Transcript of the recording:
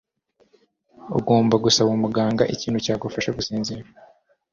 Ugomba gusaba muganga ikintu cyagufasha gusinzira.